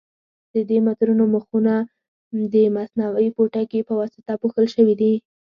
د دې مترونو مخونه د مصنوعي پوټکي په واسطه پوښل شوي دي.